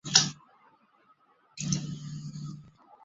目前隶属于大泽事务所旗下。